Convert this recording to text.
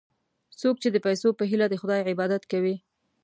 څوک چې د پیسو په هیله د خدای عبادت کوي.